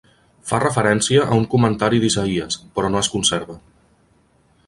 Fa referència a un comentari d'Isaïes, però no es conserva.